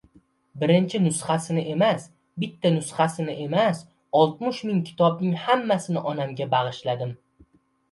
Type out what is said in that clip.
Birinchi nusxasini emas, bitta nusxasini emas, oltmish ming kitobning hammasini onamga bag‘ishladim.